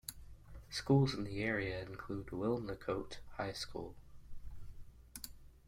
Schools in the area include Wilnecote High School.